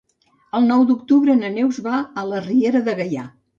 El nou d'octubre na Neus va a la Riera de Gaià.